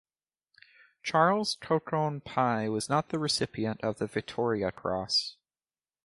Charles Colquhoun Pye was not the recipient of the Victoria Cross.